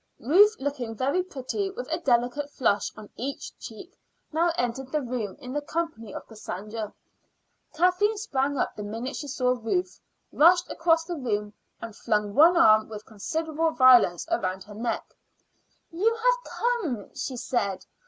Ruth, looking very pretty, with a delicate flush on each cheek, now entered the room in the company of Cassandra. Kathleen sprang up the minute she saw Ruth, rushed across the room, and flung one arm with considerable violence round her neck. "You have come," she said.